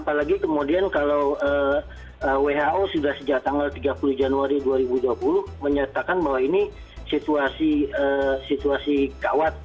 apalagi kemudian kalau who sudah sejak tanggal tiga puluh januari dua ribu dua puluh menyatakan bahwa ini situasi kawat